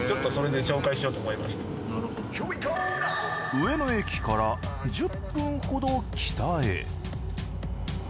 上野駅から１０分ほど北へ。